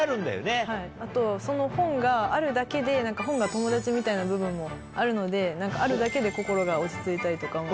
あとその本があるだけで本が友達みたいな部分もあるのであるだけで心が落ち着いたりとかも。